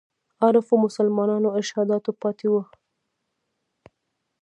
عارفو مسلمانانو ارشادات پاتې وو.